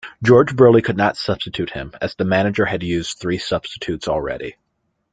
George Burley could not substitute him as the manager had used three substitutes already.